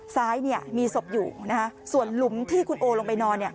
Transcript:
ซ้ายเนี่ยมีศพอยู่นะฮะส่วนหลุมที่คุณโอลงไปนอนเนี่ย